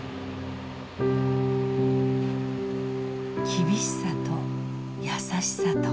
厳しさと優しさと。